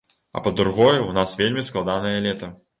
А па-другое, у нас вельмі складанае лета.